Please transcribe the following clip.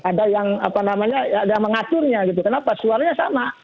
ada yang mengaturnya gitu kenapa suaranya sama